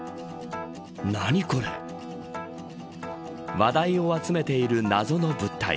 話題を集めている謎の物体。